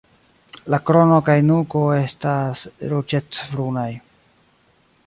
La krono kaj nuko estas ruĝecbrunaj.